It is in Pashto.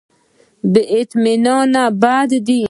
بې اطمیناني بد دی.